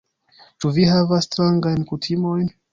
Ĉu vi havas strangajn kutimojn?